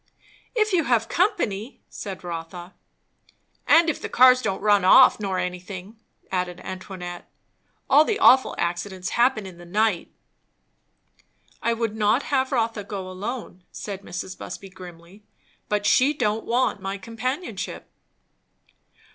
"If you have company" said Rotha. "And if the cars don't run off nor anything," added Antoinette. "All the awful accidents happen in the night." "I would not have Rotha go alone," said Mrs. Busby grimly; "but she don't want my companionship."